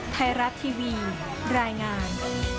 ไทยรัฐทีวีรายงาน